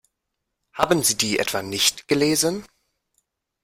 Haben Sie die etwa nicht gelesen?